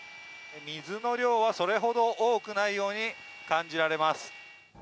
水の量はそれほど多くないように感じられます。